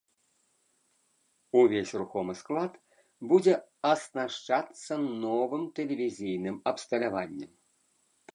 Увесь рухомы склад будзе аснашчацца новым тэлевізійным абсталяваннем.